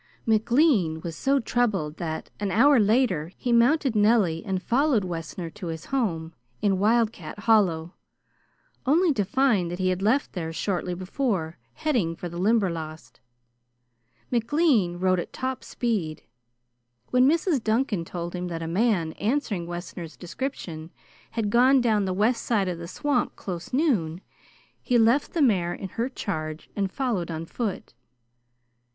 McLean was so troubled that, an hour later, he mounted Nellie and followed Wessner to his home in Wildcat Hollow, only to find that he had left there shortly before, heading for the Limberlost. McLean rode at top speed. When Mrs. Duncan told him that a man answering Wessner's description had gone down the west side of the swamp close noon, he left the mare in her charge and followed on foot.